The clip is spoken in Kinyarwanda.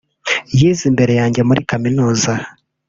yize imbere yanjye muri kaminuza